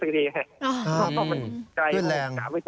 ครับ